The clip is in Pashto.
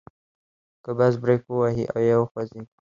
که بس بریک ووهي او یا وخوځیږي.